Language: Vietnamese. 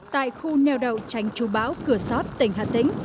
tại khu neo đậu tránh chú bão cửa sót tỉnh hà tĩnh